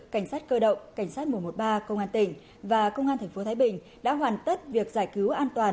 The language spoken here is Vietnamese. cảnh sát cơ động cảnh sát mùa một ba công an tỉnh và công an tp thái bình đã hoàn tất việc giải cứu an toàn